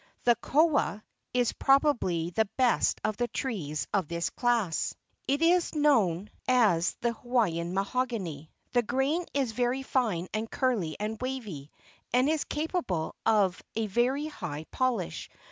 The koa* is probably the best of the trees of this class. It is known as the Hawaiian mahogany. The grain is very fine and curly and wavy, and is capable of a very high polish.